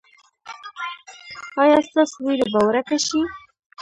ایا ستاسو ویره به ورکه شي؟